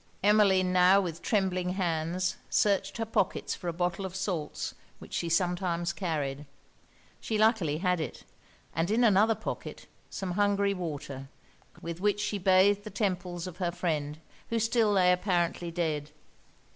Emmeline now with trembling hands searched her pockets for a bottle of salts which she sometimes carried. She luckily had it; and, in another pocket, some Hungary water, with which she bathed the temples of her friend, who still lay apparently dead.